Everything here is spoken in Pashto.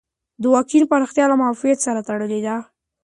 د واکسین پراختیا له معافیت سره تړلې ده.